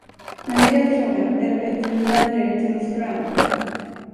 Men i den frågan är det bättre ni vänder er till miss Brown.